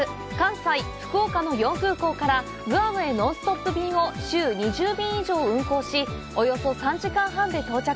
成田、中部、関西、福岡の４空港からグアムへノンストップ便を週２０便以上運航しおよそ３時間半で到着。